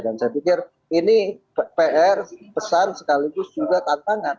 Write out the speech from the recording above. dan saya pikir ini pr pesan sekaligus juga tantangan